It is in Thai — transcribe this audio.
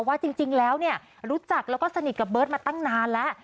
ว่าจริงแล้วเนี่ยรู้จักแล้วก็สนิทกับเบิร์ตมาตั้งนานแล้ว